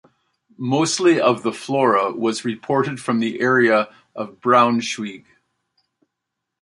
Mostly of the flora was reported from the area of Braunschweig.